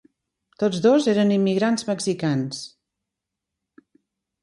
Tots dos eren immigrants mexicans.